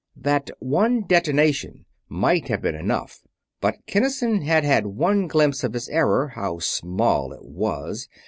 That one detonation might have been enough; but Kinnison had had one glimpse of his error how small it was!